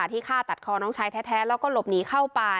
ฆ่าตัดคอน้องชายแท้แล้วก็หลบหนีเข้าป่า